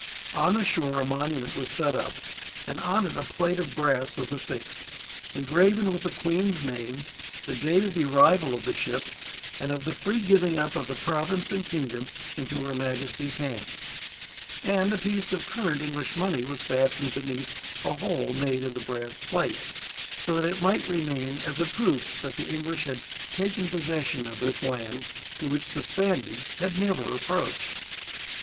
On the shore a monument was set up, and on it a plate of brass was affixed, engraven with the Queen's name, the date of the arrival of the ship, and of the free giving up of the province and kingdom into her majesty's hand; and a piece of current English money was fastened beneath a hole made in the brass plate, so that it might remain as a proof that the English had taken possession of this land, to which the Spaniards had never approached.